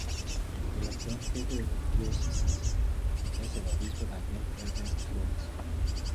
El actual jefe de la Diócesis es el Obispo Daniel Ernest Flores.